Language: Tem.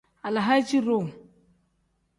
Alahaaci-duu.